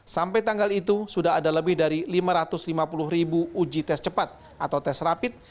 sampai tanggal itu sudah ada lebih dari lima ratus lima puluh ribu uji tes cepat atau tes rapid